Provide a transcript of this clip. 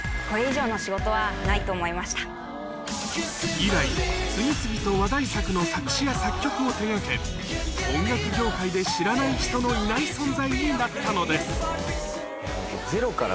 以来次々と話題作の作詞や作曲を手掛け音楽業界で知らない人のいない存在になったのです